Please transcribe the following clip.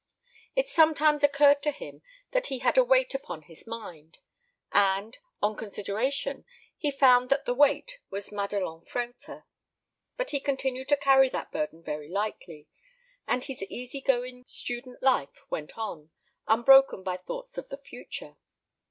It sometimes occurred to him that he had a weight upon his mind; and, on consideration, he found that the weight was Madelon Frehlter. But he continued to carry that burden very lightly, and his easy going student life went on, unbroken by thoughts of the future.